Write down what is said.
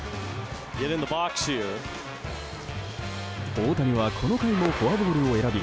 大谷はこの回もフォアボールを選び